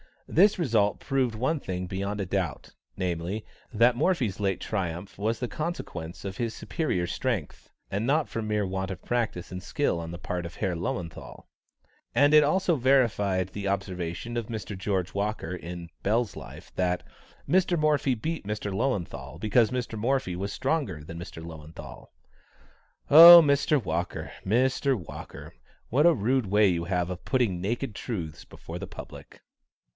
This result proved one thing beyond a doubt, namely, that Morphy's late triumph was the consequence of his superior strength, and not from mere want of practice and skill on the part of Herr Löwenthal. And it also verified the observation of Mr. George Walker, in Bell's Life, that "Mr. Morphy beat Mr. Löwenthal because Mr. Morphy was stronger than Mr. Löwenthal." Oh, Mr. Walker! Mr. Walker! what a rude way you have of putting naked truths before the public!